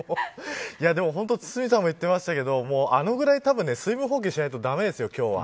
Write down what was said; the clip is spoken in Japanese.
本当、堤さん言ってましたけどあのぐらい水分補給しないと駄目ですよ今日は。